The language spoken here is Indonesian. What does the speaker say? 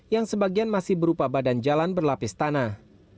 yang sebagian masih berupa badan jalan berlapis tanah